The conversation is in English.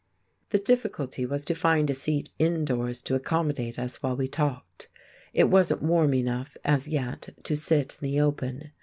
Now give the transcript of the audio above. The difficulty was to find a seat indoors to accommodate us while we talked; it wasn't warm enough, as yet, to sit in the open.